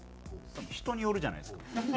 人によるじゃないですか。